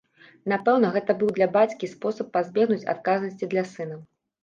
Напэўна, гэта быў для бацькі спосаб пазбегнуць адказнасці для сына.